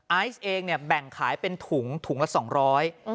ไอซ์เองเนี่ยแบ่งขายเป็นถุงถุงละสองร้อย